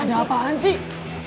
ada apaan sih